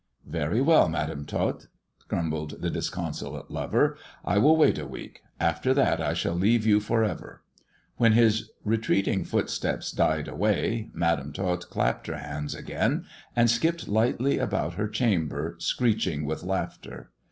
" Very well. Madam Tot," grumbled the disconsolate lover. "I will wait a week. After that I shall leave you for ever." When his retreating footsteps died away Madam Tot clapped her hands again, and skipped lightly about her chamber, screeching with laughter.